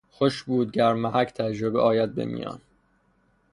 خوش بود گر محک تجربه آید به میان